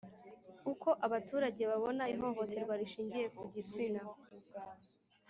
Uko abaturage babona ihohoterwa rishingiye ku gitsina